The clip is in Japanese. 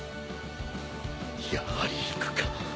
やはり行くか